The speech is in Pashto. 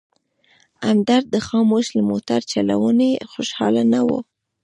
همدرد د خاموش له موټر چلونې خوشحاله نه و.